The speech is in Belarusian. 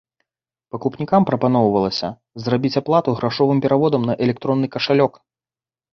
Пакупнікам прапаноўвалася зрабіць аплату грашовым пераводам на электронны кашалёк.